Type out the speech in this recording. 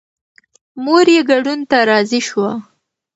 مور یې ګډون ته راضي شوه.